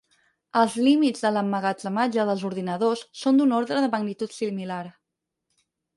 Els límits de l'emmagatzematge dels ordinadors són d'un ordre de magnitud similar.